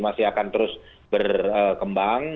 masih akan terus berkembang